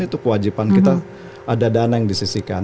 itu kewajiban kita ada dana yang disisikan